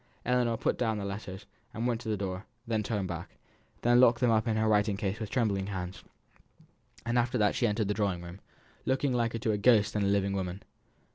Ellinor put down the letters, and went to the door, then turned back, and locked them up in her writing case with trembling hands; and after that she entered the drawing room, looking liker to a ghost than to a living woman.